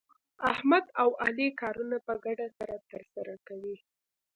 احمد او علي کارونه په ګډه سره ترسره کوي.